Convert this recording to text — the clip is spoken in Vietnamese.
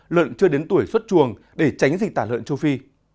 lợn chưa đến tuổi xuất chuồng để tránh dịch tả lợn châu phi